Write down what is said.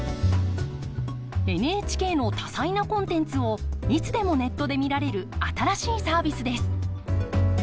ＮＨＫの多彩なコンテンツをいつでもネットで見られる新しいサービスです。